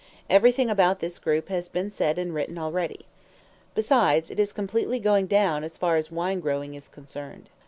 Every thing about this group has been said and written already. Besides, it is completely going down as far as wine growing is concerned.